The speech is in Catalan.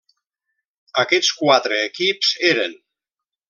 Aquests quatre equips eren: